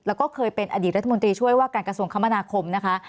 แล้วก็เคยเป็นอดีตรัฐมนตรีช่วยว่าการกระทรวงคมนาคมนะคะ